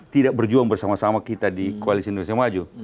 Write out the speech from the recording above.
tidak berjuang bersama sama kita di koalisi indonesia maju